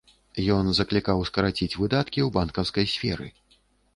Ён заклікаў скараціць выдаткі ў банкаўскай сферы.